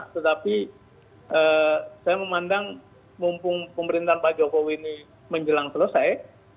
tetapi saya memandang mumpung pemerintahan pak jokowi ini menjelang selesai